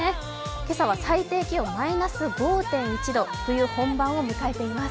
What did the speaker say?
今朝は最低気温マイナス５．１度、冬本番を迎えています。